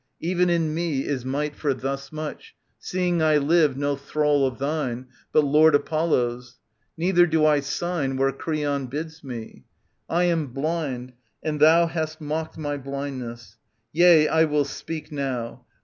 Even in me is might For thus much, seeing t live no thrall of thine, But Lord Apollo's ; neither do I sign Where Creon bids me. I ana blind, and thou. Hast mocked my blindness. Yea, I will speak now.